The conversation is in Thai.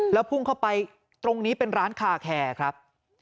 แล้วพุ่งเข้าไปตรงนี้เป็นร้านคาแคร์ครับ